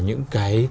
những cái bức tranh